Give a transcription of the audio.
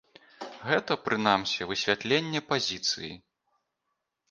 Гэта, прынамсі, высвятленне пазіцыі.